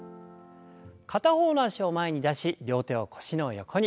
片方の脚を前に出し両手を腰の横に。